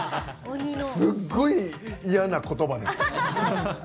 すっごい嫌なことばです。